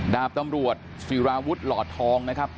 ดาบตำรวจศิราวุฒิหลอดทองนะครับ